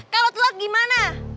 kalau telat gimana